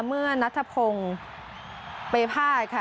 เมื่อนัทพงศ์เปภาษค่ะ